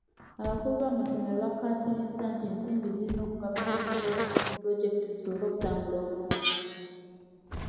Abakulu b'amasomero bakkaatiriza nti ensimbi zirina okugabanyizibwa obulungi pulojekiti zisobole okutambula obulingi.